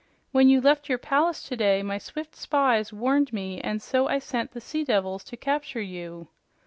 "When you left your palace today, my swift spies warned me, and so I sent the sea devils to capture you.